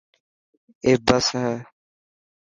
اي بس هي.